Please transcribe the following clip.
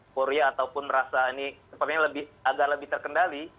korea ataupun rasa ini sepertinya agak lebih terkendali